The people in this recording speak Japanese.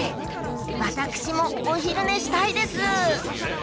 わたくしもおひるねしたいです。